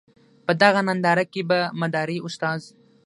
په دغه ننداره کې به مداري استاد.